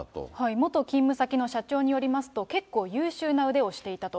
元勤務先の社長によりますと、結構優秀な腕をしていたと。